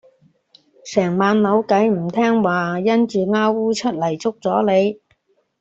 成晚扭計唔聽話因住虓䰧出噄捉咗你